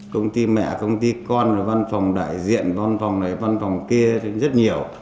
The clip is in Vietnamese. công ty mẹ công ty con rồi văn phòng đại diện văn phòng này văn phòng kia rất nhiều